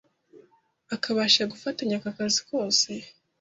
akabasha gufatanya aka kazi kose